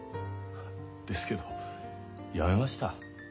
ですけどやめました。